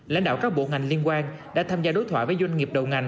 lãnh đạo các bộ ngành liên quan đã tham gia đối thoại với doanh nghiệp đầu ngành